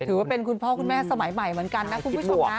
คุณพ่อคุณแม่สมัยใหม่เหมือนกันนะคุณผู้ชมนะ